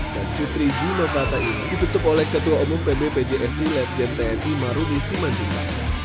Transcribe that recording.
dan putri jinovata ini ditutup oleh ketua umum pb pjsi leap gen tni marunisi manjunga